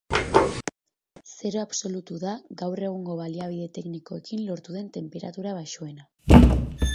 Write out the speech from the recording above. Zero absolutu da gaur egungo baliabide teknikoekin lortu den tenperatura baxuena.